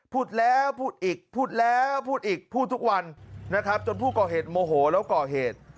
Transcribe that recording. พูดแล้วพูดอีกพูดแล้วพูดอีกพูดทุกวันนะครับจนผู้ก่อเหตุโมโหแล้วก่อเหตุ